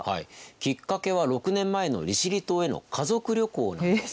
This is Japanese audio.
きっかけは６年前の利尻島への家族旅行なんです。